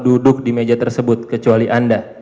duduk di meja tersebut kecuali anda